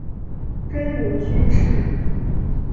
中国军事人物。